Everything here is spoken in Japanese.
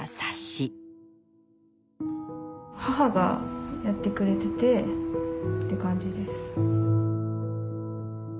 母がやってくれててって感じです。